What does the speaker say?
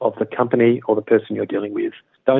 perusahaan atau orang yang anda berkaitan